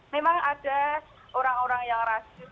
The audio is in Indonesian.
memang ada orang orang yang rasis